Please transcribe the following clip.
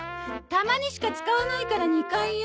たまにしか使わないから２階よ。